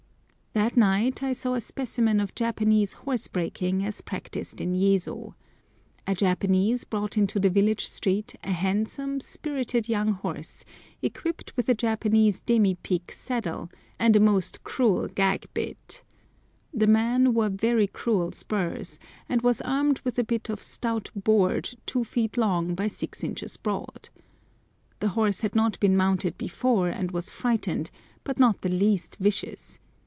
That night I saw a specimen of Japanese horse breaking as practised in Yezo. A Japanese brought into the village street a handsome, spirited young horse, equipped with a Japanese demi pique saddle, and a most cruel gag bit. The man wore very cruel spurs, and was armed with a bit of stout board two feet long by six inches broad. The horse had not been mounted before, and was frightened, but not the least vicious.